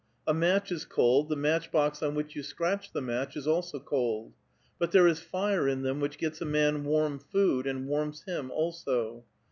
A match is cold, the match box on which you scratch the match is also cold ; but there is fire in them which gets a man warm food, and warms hiin also.